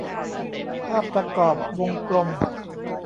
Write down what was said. ภาพประกอบวงกลม